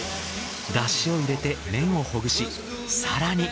出汁を入れて麺をほぐし更に。